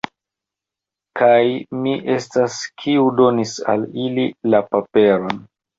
Kaj mi estas, kiu donis al ili la paperon!